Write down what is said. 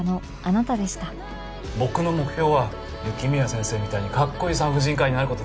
僕の目標は雪宮先生みたいにかっこいい産婦人科医になる事です。